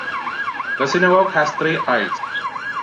The synagogue has three aisles.